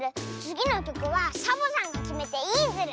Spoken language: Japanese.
つぎのきょくはサボさんがきめていいズル。